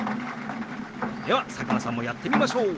では佐久間さんもやってみましょう！